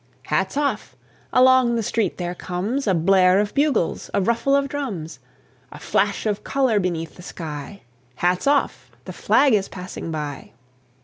(1863 .) Hats off! Along the street there comes A blare of bugles, a ruffle of drums, A flash of colour beneath the sky: Hats off! The flag is passing by!